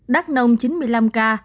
đắc nông chín mươi năm ca